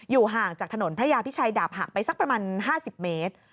ห่างจากถนนพระยาพิชัยดาบหักไปสักประมาณ๕๐เมตร